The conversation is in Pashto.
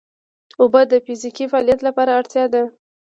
اوبه د فزیکي فعالیت لپاره اړتیا ده